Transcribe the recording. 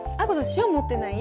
塩持ってない？